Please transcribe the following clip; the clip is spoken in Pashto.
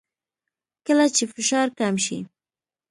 کله چې فشار کم شي